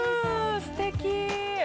すてき。